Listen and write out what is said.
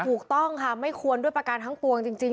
ถูกต้องค่ะไม่ควรด้วยประการทั้งปวงจริง